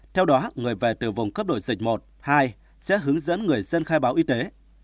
theo đó người về từ vùng cấp đổi dịch một hai sẽ hướng dẫn người dân khai báo y tế